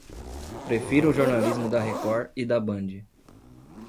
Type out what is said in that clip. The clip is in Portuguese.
Prefiro o jornalismo da Record e da Band.